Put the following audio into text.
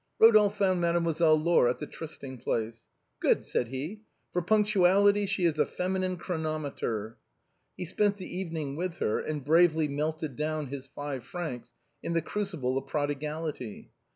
Rodolphe found Mademoiselle Laure at the trysting place. " Good," said he, " for punctuality she is a feminine chronometer." He spent the evening with her, and bravely melted down his five francs in the crucible of prodigality.